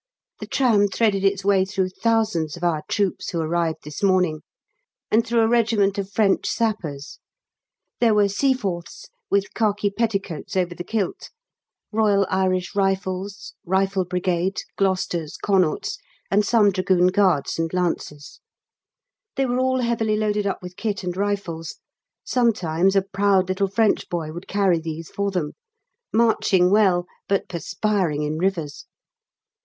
The tram threaded its way through thousands of our troops, who arrived this morning, and through a regiment of French Sappers. There were Seaforths (with khaki petticoats over the kilt), R. Irish Rifles, R.B. Gloucesters, Connaughts, and some D.G.'s and Lancers. They were all heavily loaded up with kit and rifles (sometimes a proud little French boy would carry these for them), marching well, but perspiring in rivers.